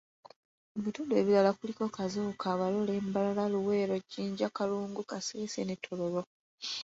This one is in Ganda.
Mu bitundu ebirala kuliko; Kazo, Kabarole, Mbarara, Luweero, Jinja, Kalungu, Kasese ne Tororo.